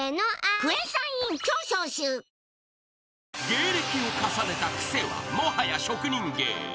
［芸歴を重ねたクセはもはや職人芸］